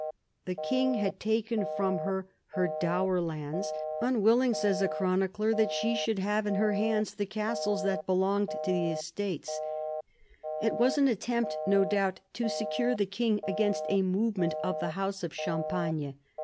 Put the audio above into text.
The king had taken from her her dower lands, unwill ii THE BEGINNINGS OF PHILIP'S POWER 27 ing, says a chronicler, that she should have in her hands the castles that belonged to the estates. It was an attempt, no doubt, to secure the king against a movement of the house of Champagne.